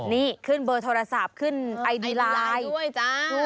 นี่ขึ้นเบอร์โทรศัพท์ขึ้นไอดีไลน์ด้วยจ้า